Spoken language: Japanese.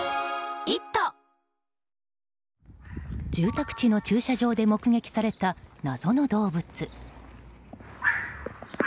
住宅地の駐車場で目撃された謎の動物。